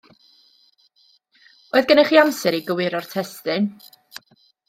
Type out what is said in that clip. Oedd gennych chi amser i gywiro'r testun?